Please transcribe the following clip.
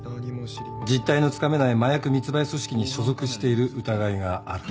実態のつかめない麻薬密売組織に所属している疑いがある。